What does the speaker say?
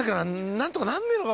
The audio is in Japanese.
なんとかなんねえのか？